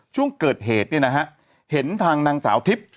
ช่วงเกิดเหตุเนี่ยนะฮะเห็นทางนางสาวทิพย์